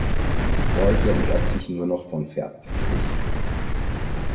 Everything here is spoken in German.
Rolf ernährt sich nur noch von Fertiggerichten.